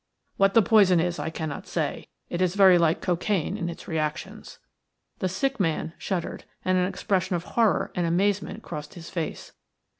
What the poison is I cannot say. It is very like cocaine in its reactions." The sick man shuddered, and an expression of horror and amazement crossed his face.